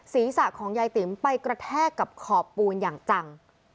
ศีรษะของยายติ๋มไปกระแทกกับขอบปูนอย่างจัง